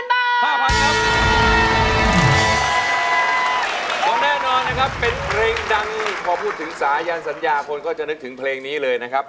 เพราะแน่นอนนะครับเป็นเพลงดังพอพูดถึงสายันสัญญาคนก็จะนึกถึงเพลงนี้เลยนะครับ